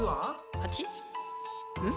８？ん？